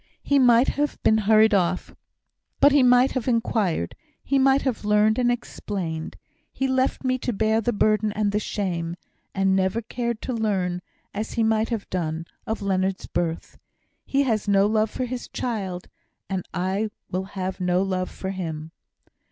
He might have been hurried off, but he might have inquired he might have learnt, and explained. He left me to bear the burden and the shame; and never cared to learn, as he might have done, of Leonard's birth. He has no love for his child, and I will have no love for him."